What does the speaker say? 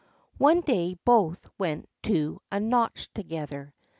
One day both went to a nautch together.